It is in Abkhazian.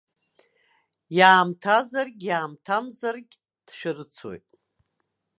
Иаамҭазаргь иаамҭамзаргь дшәарыцоит.